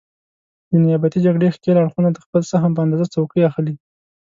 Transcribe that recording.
د نیابتي جګړې ښکېل اړخونه د خپل سهم په اندازه څوکۍ اخلي.